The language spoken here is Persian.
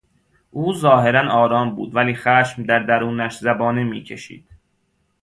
او ظاهرا آرام بود ولی خشم در درونش زبانه میکشید.